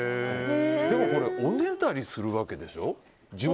でもこれおねだりするわけでしょ。